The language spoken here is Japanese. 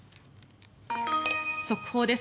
速報です。